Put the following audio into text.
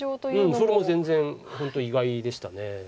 うんそれも全然本当意外でした。